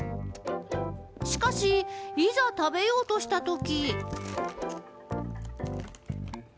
しかし、いざ食べようとしたとき。